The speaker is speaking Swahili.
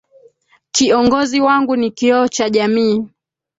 Kiongozi wangu ni kioo cha jamii.